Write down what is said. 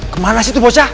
kemana sih tuh bocah